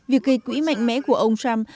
việc gây quỹ mạnh mẽ của ông trump